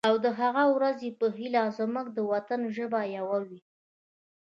او د هغه ورځې په هیله چې زمونږ د وطن ژبه یوه وي.